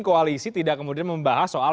koalisi tidak kemudian membahas soal